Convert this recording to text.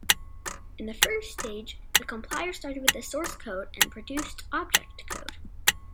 In the first stage, the compiler started with source code and produced object code.